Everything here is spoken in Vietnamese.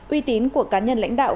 uy tín của cá nhân lãnh đạo